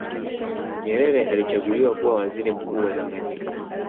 Nyerere alichaguliwa kuwa waziri mkuu wa Tanganyika